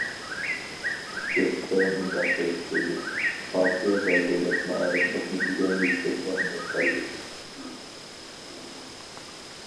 « پىكىر» دە مۇنداق كۆرسىتىلدى: پارتىيە ۋە دۆلەت مائارىپ خىزمىتىگە يۈكسەك ئەھمىيەت بەردى.